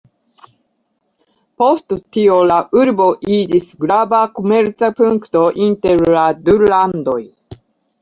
Post tio la urbo iĝis grava komerca punkto inter la du landoj.